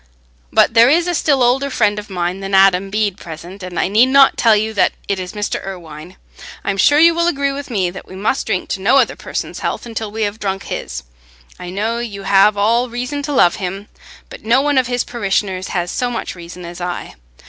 But there is a still older friend of mine than Adam Bede present, and I need not tell you that it is Mr. Irwine. I'm sure you will agree with me that we must drink no other person's health until we have drunk his. I know you have all reason to love him, but no one of his parishioners has so much reason as I.